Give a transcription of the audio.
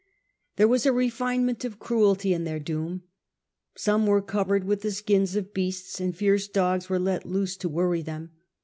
There was a refinement of cruelty in their doom. Some were covered with the skins of beasts, and fierce dogs were let loose to worry them.